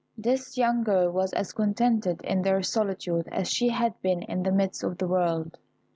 This young girl was as contented in their solitude as she had been in the midst of the world.